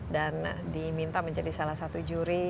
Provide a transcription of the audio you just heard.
dan diminta menjadi salah satu juri